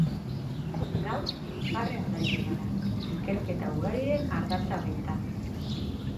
Gaur, barreaz aritu gara, ikerketa ugariren ardatza baita.